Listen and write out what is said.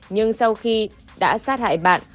nhưng sau khi đã sát hại bạn